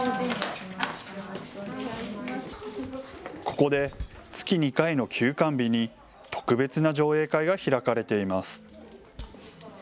ここで月２回の休館日に特別な上映会が開かれています。